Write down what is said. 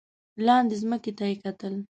لاندې ځمکې ته یې کتل.